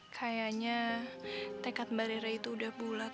kayaknya tekad mbak dera itu udah bulat